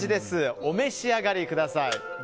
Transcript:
お召し上がりください。